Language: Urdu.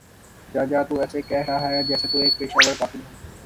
جاجا تو ایسے کہ رہا ہے جیسے تو ایک پیشہ ور قاتل ہو